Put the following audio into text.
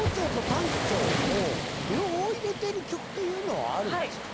両方入れてる曲というのはあるんですか？